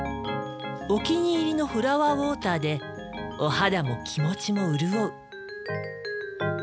お気に入りのフラワーウォーターでお肌も気持ちも潤う。